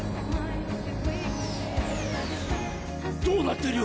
どうなっている？